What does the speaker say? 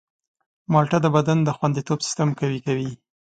مالټه د بدن د خوندیتوب سیستم قوي کوي.